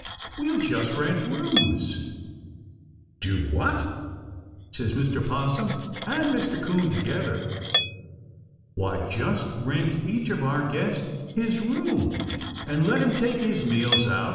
"We'll just rent rooms." "Do what?" says Mr. 'Possum and Mr. 'Coon together. "Why, just rent each of our guests his room and let him take his meals out.